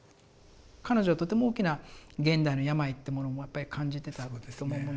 彼女はとても大きな現代の病ってものもやっぱり感じてたとも思うんですよね。